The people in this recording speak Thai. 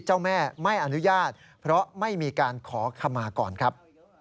เจ้าแม่ไม่อนุญาตเพราะไม่มีการขอขมาก่อนครับ